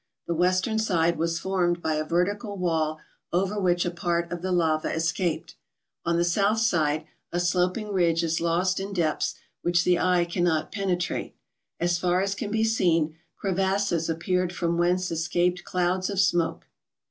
The western side was formed by a vertical wall over which a part of the lava escaped. On the south side, a sloping ridge is lost in depths which the eye cannot pene¬ trate. As far as can be seen, crevasses appeared from whence escaped clouds of smoke.